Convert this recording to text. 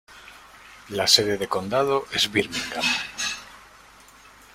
La sede de condado es Birmingham.